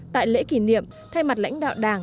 tại lễ kỷ niệm thay mặt lãnh đạo đảng